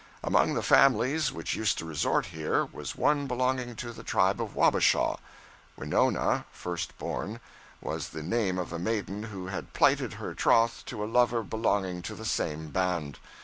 Among the families which used to resort here, was one belonging to the tribe of Wabasha. We no na (first born) was the name of a maiden who had plighted her troth to a lover belonging to the same band.